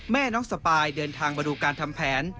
แม่น้องสปายเดินทางมาดูการทำแผน